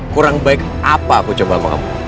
kurang baik apa aku coba sama kamu